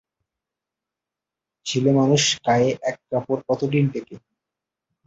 ছেলেমানুষ গায়ে এক কাপড় কতদিন টেকে।